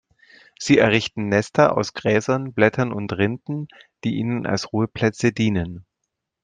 Sie errichten Nester aus Gräsern, Blättern und Rinden, die ihnen als Ruheplätze dienen.